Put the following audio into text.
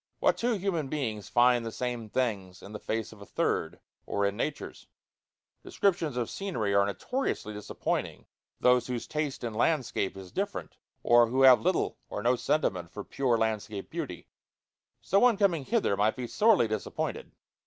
What two human beings find the same things in the face of a third, or in nature's? Descriptions of scenery are notoriously disappointing to those whose taste in landscape is different, or who have little or no sentiment for pure landscape beauty. So one coming hither might be sorely disappointed.